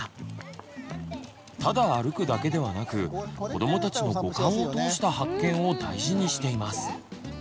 ただ歩くだけではなく子どもたちの五感を通した発見を大事にしています。